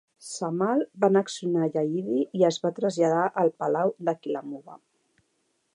Sam'al va annexionar Ya'idi i es va traslladar al palau de Kilamuva.